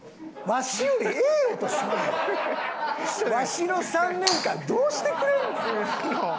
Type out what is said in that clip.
わしの３年間どうしてくれんねん。